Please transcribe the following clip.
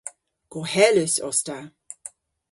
Gohelus os ta.